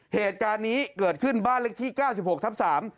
เหตุการณ์นี้เกิดขึ้นบ้านเล็กที่๙๖ทับ๓